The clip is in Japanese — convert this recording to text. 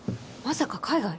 まさか海外！？